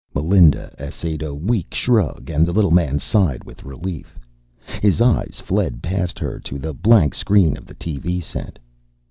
Melinda essayed a weak shrug and the little man sighed with relief. His eyes fled past her to the blank screen of the TV set.